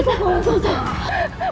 untuk mereka yang sudah lemah